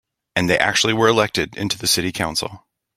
And they actually were elected into the city council.